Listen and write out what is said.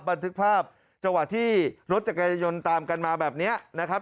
บันทึกภาพจังหวะที่รถจักรยายนตามกันมาแบบนี้นะครับ